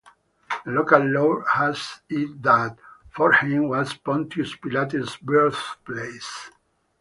The local lore has it that Forchheim was Pontius Pilate's birthplace.